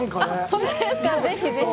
本当ですか、ぜひぜひ。